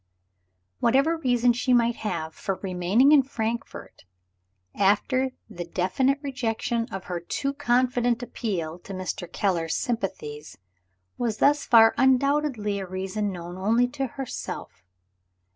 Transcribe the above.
Whatever reason she might have for remaining in Frankfort, after the definite rejection of her too confident appeal to Mr. Keller's sympathies, was thus far undoubtedly a reason known only to herself.